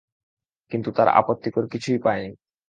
কিন্তু তারা আপত্তিকর কিছুই পায়নি।